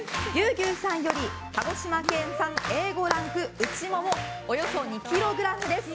牛さんより鹿児島県産Ａ５ランク内ももおよそ２ｋｇです。